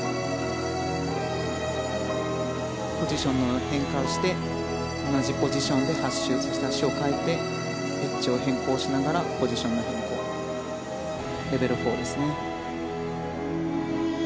ポジションの変化をして同じポジションで足を換えてエッジを変更しながらポジション変更、レベル４です。